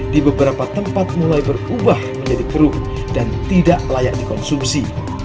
di beberapa tempat mulai berubah menjadi keruh dan tidak layak dikonsumsi